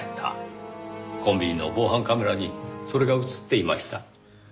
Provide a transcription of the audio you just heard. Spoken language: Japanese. コンビニの防犯カメラにそれが映っていました。